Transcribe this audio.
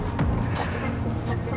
tapi bukan berantem